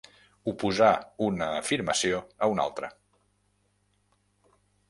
Oposar una afirmació a una altra.